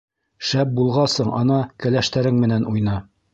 Шәп булғасың, ана, кәләштәрең менән уйна!